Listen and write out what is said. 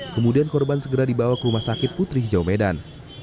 kemudian korban segera dibawa ke rumah sakit putri hijau medan